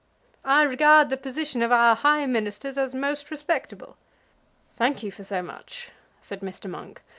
"I regard the position of our high Ministers as most respectable." "Thank you for so much," said Mr. Monk.